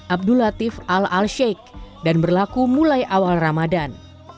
abdul latif al alsheikh dan berlaku mulai awal ramadan